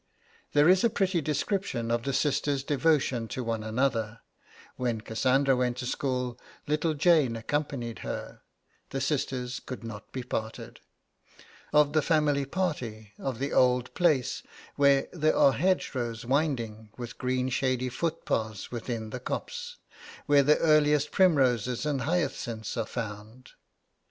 There is a pretty description of the sisters' devotion to one another (when Cassandra went to school little Jane accompanied her, the sisters could not be parted), of the family party, of the old place, 'where there are hedgerows winding, with green shady footpaths within the copse; where the earliest primroses and hyacinths are found.'